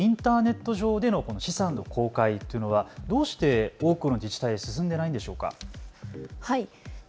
渡辺さん、インターネット上でのこの資産の公開というのはどうして多くの自治体で進んでないんでしょうか。